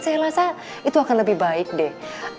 saya rasa itu akan lebih baik deh